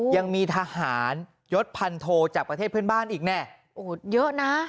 ยังมีทหารยศพันโทจากประเทศเพื่อนบ้านอีกแน่โอ้โหเยอะนะ